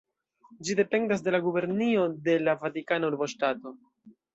Ĝi dependas de la gubernio de la Vatikana Urboŝtato.